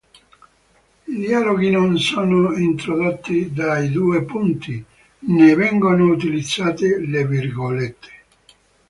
I dialoghi non sono introdotti dai due punti, né vengono utilizzate le virgolette.